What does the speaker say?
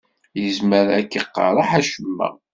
Yezmer ad k-iqerreḥ acemma.